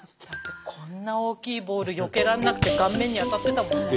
こんなに大きいボールよけられなくて顔面に当たってたもんね。